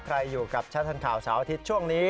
ใครอยู่ชั้นทันข่าวสหาวอาทิตย์ช่วงนี้